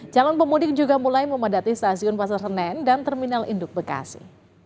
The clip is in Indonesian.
calon pemudik juga mulai memadati stasiun pasar senen dan terminal induk bekasi